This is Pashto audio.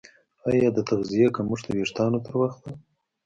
ایا د تغذیې کمښت د ویښتانو تر وخته